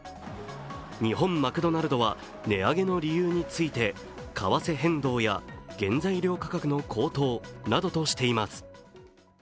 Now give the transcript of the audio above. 日本マクドナルドは値上げの理由について、為替変動や原材料価格の高騰などとしています。